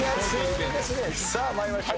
さあ参りましょう。